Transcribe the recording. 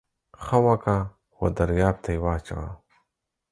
ښه وکه و درياب ته يې واچوه.